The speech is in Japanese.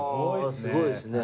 すごいですね。